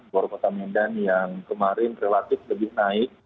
war kota medan yang kemarin relatif lebih naik